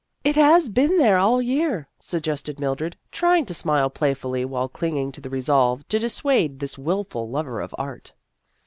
" It has been there all the year," sug gested Mildred, trying to smile playfully while clinging to the resolve to dissuade this wilful lover of art.